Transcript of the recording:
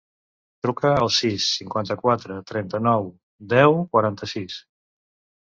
Truca al sis, cinquanta-quatre, trenta-nou, deu, quaranta-sis.